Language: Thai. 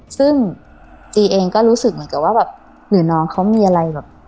ซึ่งจีเองก็รู้สึกเหมือนกับว่าแบบหรือน้องเขามีอะไรแบบ